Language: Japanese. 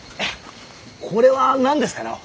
これは何ですかのう？